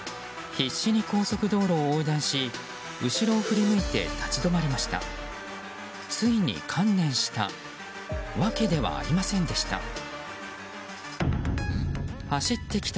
必死に高速道路を横断し後ろを振り向いて立ち止まりました。